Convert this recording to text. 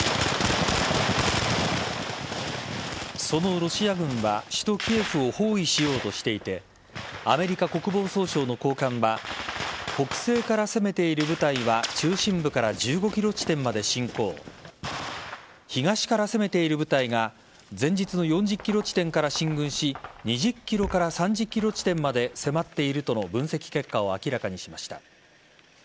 そのロシア軍は首都・キエフを包囲しようとしていてアメリカ国防総省の高官は北西から攻めている部隊は中心部から１５ｋｍ地点まで侵攻東から攻めている部隊が前日の４０ｋｍ地点から進軍し２０ｋｍから３０ｋｍ地点まで迫っているとの分析結果を明らかにしました。